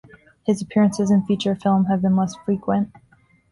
His appearances in feature film have been less frequent.